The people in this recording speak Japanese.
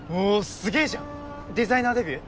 すげえじゃんデザイナーデビュー？